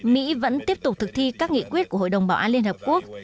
mỹ vẫn tiếp tục thực thi các nghị quyết của hội đồng bảo an liên hợp quốc